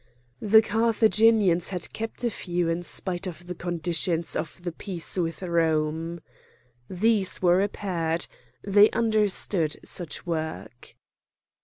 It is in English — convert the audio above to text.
The Carthaginians had kept a few in spite of the conditions of the peace with Rome. These were repaired. They understood such work.